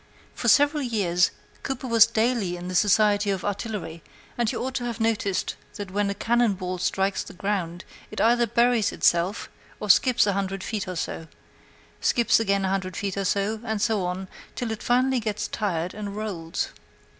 For several years Cooper was daily in the society of artillery, and he ought to have noticed that when a cannon ball strikes the ground it either buries itself or skips a hundred feet or so; skips again a hundred feet or so and so on, till finally it gets tired and rolls.